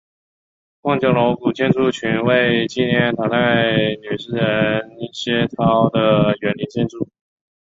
望江楼古建筑群为纪念唐代女诗人薛涛的园林建筑。